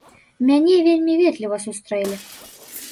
Мяне вельмі ветліва сустрэлі.